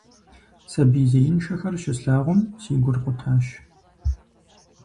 Сабий зеиншэхэр щыслъагъум, си гур къутащ.